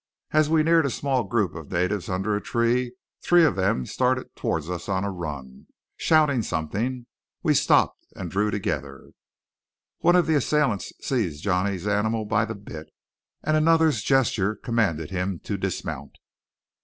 As we neared a small group of natives under a tree, three of them started toward us on a run, shouting something. We stopped, and drew together. One of the assailants seized Johnny's animal by the bit, and another's gesture commanded him to dismount.